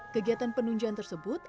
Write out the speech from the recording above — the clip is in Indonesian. kegiatan penunjuan tersebut